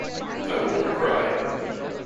I won’t cry.